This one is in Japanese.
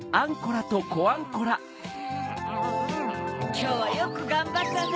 きょうはよくがんばったね！